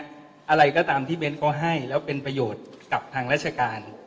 อะไรก็ตามที่เบ้นเขาให้แล้วเป็นประโยชน์กับทางราชการ